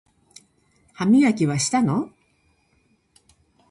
歯磨きはしたの？